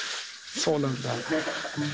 そうなんだ。